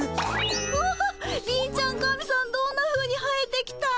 うわ貧ちゃん神さんどんなふうに生えてきたん？